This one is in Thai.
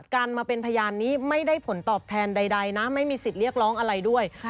การมาเป็นพยานนี้ไม่ได้ผลตอบแทนใดนะไม่มีสิทธิ์เรียกร้องอะไรด้วย